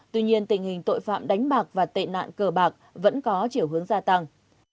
tuy nhiên tình hình tội phạm đánh bạc và tệ nạn cờ bạc vẫn có chiều hướng gia tăng